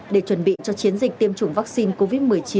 để chuẩn bị cho chiến dịch tiêm chủng vaccine covid một mươi chín